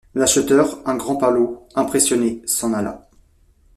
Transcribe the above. L’acheteur, un grand pâlot, impressionné, s’en alla.